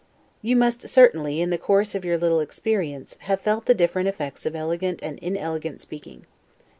You must certainly, in the course of your little experience, have felt the different effects of elegant and inelegant speaking.